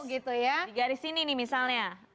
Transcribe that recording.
garis ini nih misalnya